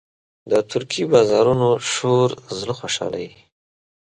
د ترکي بازارونو شور زړه خوشحالوي.